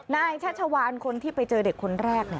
ชัชวานคนที่ไปเจอเด็กคนแรก